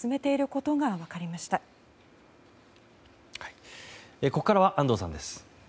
ここからは安藤さんです。